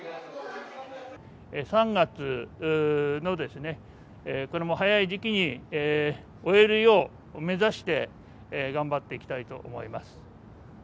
３月のこれも早い時期に終えるよう目指して頑張っていきたいと思います。